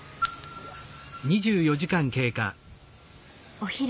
お昼。